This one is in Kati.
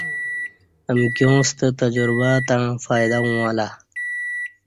امکیاں ستہ تجربہ تݩع فائدہ اݣہ لہ